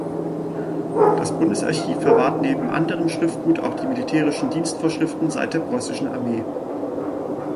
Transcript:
Das Bundesarchiv verwahrt neben anderem Schriftgut auch die militärischen Dienstvorschriften seit der Preußischen Armee.